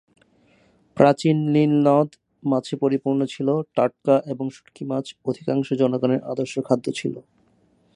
প্রাচীন নীল নদ মাছে পরিপূর্ণ ছিল; টাটকা এবং শুটকি মাছ অধিকাংশ জনগণের আদর্শ খাদ্য ছিল।